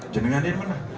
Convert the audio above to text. jengan ini mana